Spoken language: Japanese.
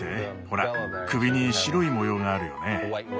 ほら首に白い模様があるよね。